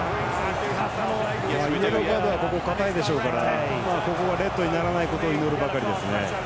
イエローカードはかたいでしょうからレッドにならないことを祈るばかりですね。